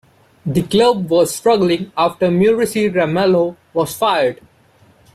The club was struggling after Muricy Ramalho was fired.